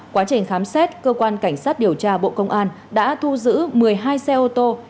quá trình khám xét cơ quan cảnh sát điều tra bộ công an đã thu giữ một mươi hai xe ô tô